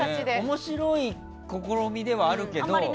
面白い試みではあるけど。